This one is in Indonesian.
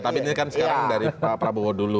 tapi ini kan sekarang dari pak prabowo dulu